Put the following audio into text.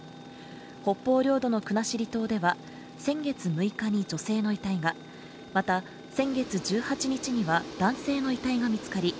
北方領土の国後島では先月６日に女性の遺体がまた先月１８日には男性の遺体が見つかり